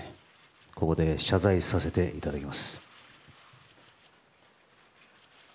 ここで謝罪させていただきます。